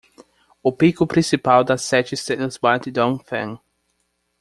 O pico principal das sete estrelas bate Dongfeng